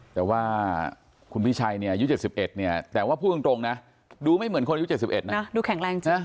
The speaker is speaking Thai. แต่ว่าคุณพี่ชัยเนี่ยยุทธ๗๑เนี่ยแต่ว่าพูดตรงนะดูไม่เหมือนคนยุทธ๗๑นะน่ะ